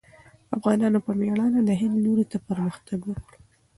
افغانانو په مېړانه د هند لوري ته پرمختګ وکړ.